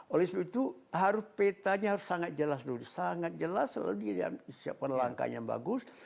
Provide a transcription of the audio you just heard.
oleh itu petanya harus sangat jelas dulu sangat jelas selalu diberikan penelangkanya yang bagus